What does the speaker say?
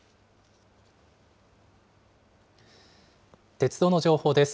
鉄道の情報です。